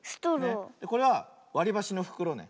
これはわりばしのふくろね。